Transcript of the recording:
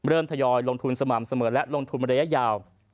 ทยอยลงทุนสม่ำเสมอและลงทุนระยะยาว